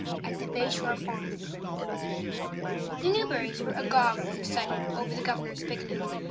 At the Bay Shore FarmToC The Newburys were agog with excitement over the Governor's picnic.